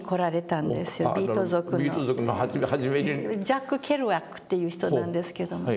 ジャック・ケルアックという人なんですけども。